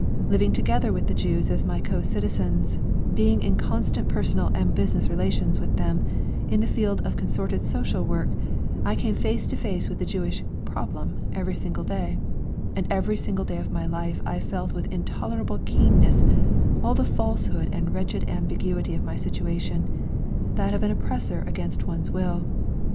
Living together with the Jews as my co citizens, being in constant personal and business relations with them, in the field of consorted social work, I came face to face with the Jewish "problem" every single day, and every single day of my life I felt with intolerable keenness all the falsehood and wretched ambiguity of my situation, that of an oppressor against one's will.